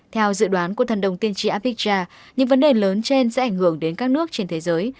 theo dự đoán của thần đồng tiên tri apic tra những vấn đề lớn trên sẽ ảnh hưởng đến các nước trên thế giới